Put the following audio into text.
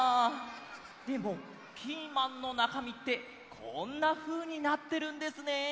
でもピーマンのなかみってこんなふうになってるんですね。